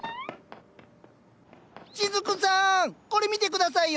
しずくさんこれ見て下さいよ。